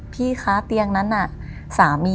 พี่ค้าเตียงนั้นน่ะ